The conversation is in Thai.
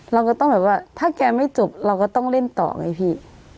เราก็ต้องแบบว่าถ้าแกไม่จบเราก็ต้องเล่นต่อไงพี่